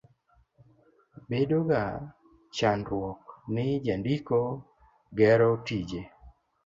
Bedoga chandruok ni jandiko gero tije.